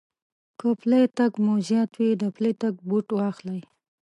که پٔلی تگ مو زيات وي، د پلي تگ بوټ واخلئ.